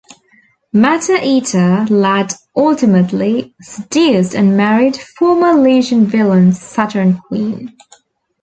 Matter-Eater Lad ultimately seduced and married former Legion villain Saturn Queen.